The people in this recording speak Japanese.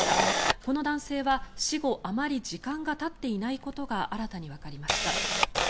この男性は死後あまり時間がたっていないことが新たにわかりました。